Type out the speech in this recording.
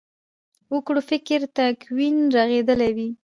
وګړو فکري تکوین رغېدلی وي.